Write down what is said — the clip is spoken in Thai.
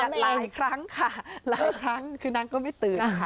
คือมันต้องปิดหลายครั้งค่ะคือนางก็ไม่ตื่นค่ะ